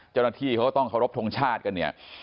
เจ้าหน้าที่เขาก็ต้องเคารพทงชาติกันเนี่ย